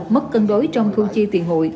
mất cân đối trong thu chi tiền hội